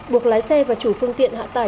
buộc lái xe và chủ phương tiện hạ tải